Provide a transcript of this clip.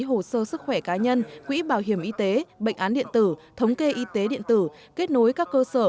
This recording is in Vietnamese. hồ sơ sức khỏe cá nhân quỹ bảo hiểm y tế bệnh án điện tử thống kê y tế điện tử kết nối các cơ sở